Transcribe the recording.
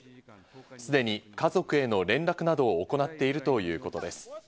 すでに家族への連絡などを行っているということです。